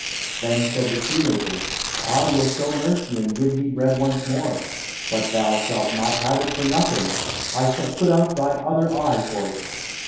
Then said the shoemaker, "I will show mercy and give thee bread once more, but thou shalt not have it for nothing, I shall put out thy other eye for it."